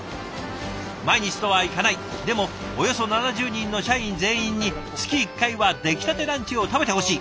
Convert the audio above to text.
毎日とはいかないでもおよそ７０人の社員全員に月１回は出来たてランチを食べてほしい。